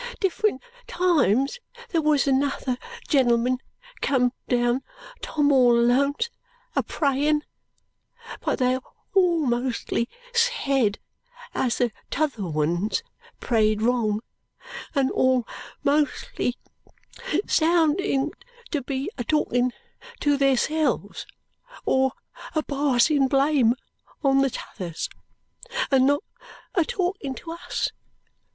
Different times there was other genlmen come down Tom all Alone's a prayin, but they all mostly sed as the t'other 'wuns prayed wrong, and all mostly sounded to be a talking to theirselves, or a passing blame on the t'others, and not a talkin to us.